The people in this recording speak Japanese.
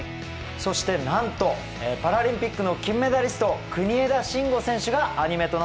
そしてなんとパラリンピックの金メダリスト国枝慎吾選手がアニメとなって登場します。